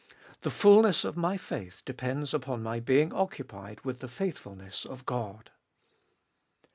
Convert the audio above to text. The fulness of my faith depends upon my being occupied with the faithfulness of God.